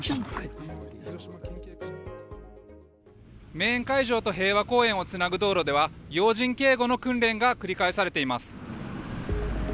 メーン会場と平和公園をつなぐ道路では要人警護の訓練が繰り返されています。